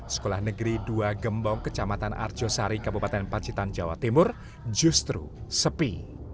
sekolah negeri dua gembong kecamatan arjosari kabupaten pacitan jawa timur justru sepi